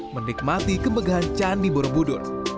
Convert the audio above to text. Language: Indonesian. menikmati kemegahan candi borobudur